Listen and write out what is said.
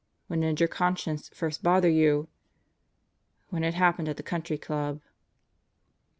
"When did your conscience first bother you?" "When it happened at the Country Club."